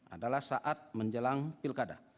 adalah saat menjelang pilkada